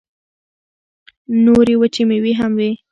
نورې وچې مېوې هم وې.